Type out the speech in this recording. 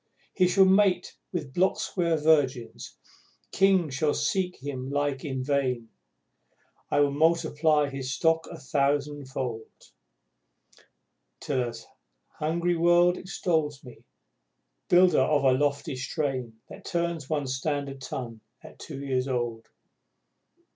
He shall mate with block square virgins kings shall seek his like in vain, While I multiply his stock a thousandfold, Till an hungry world extol me, builder of a lofty strain That turns one standard ton at two years old.